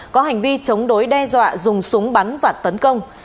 có hành vi chống đối đe dọa dùng súng bắn và tấn công